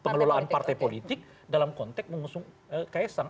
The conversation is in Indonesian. pengelolaan partai politik dalam konteks mengusung kaisang